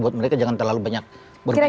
buat mereka jangan terlalu banyak berpikir